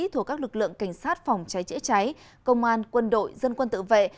thuộc các lực lượng cảnh sát phòng cháy chữa cháy công an quân đội dân quân tự vệ